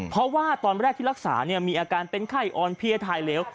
เพราะว่าตอนแรกที่รักษาเนี่ยมีอาการเป็นไข้ออนเพียร์ไทเลว